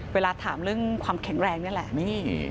เวลาถามเรื่องความแข็งแรงนี่แหละ